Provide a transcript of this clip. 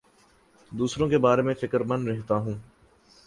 دوسروں کے بارے میں فکر مند رہتا ہوں